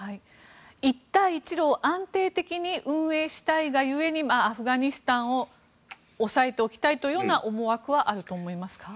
一帯一路を安定的に運営したいがゆえにアフガニスタンを押さえておきたいという思惑はあると思いますか？